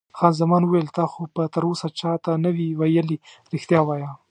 خان زمان وویل: تا خو به تراوسه چا ته نه وي ویلي؟ رښتیا وایه.